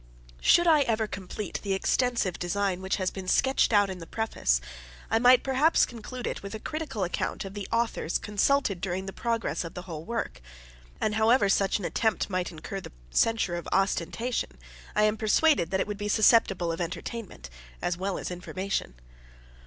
Should I ever complete the extensive design which has been sketched out in the Preface, I might perhaps conclude it with a critical account of the authors consulted during the progress of the whole work; and however such an attempt might incur the censure of ostentation, I am persuaded that it would be susceptible of entertainment, as well as information.